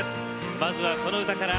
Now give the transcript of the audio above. まずは、この歌から。